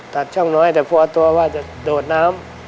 ช่องน้อยแต่พอตัวว่าจะโดดน้ำ